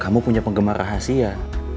kamu punya penggemar rahasia